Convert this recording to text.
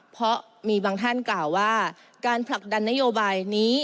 เพราะมีบางท่านกล่าวว่าการผลักดันนโยบายนี้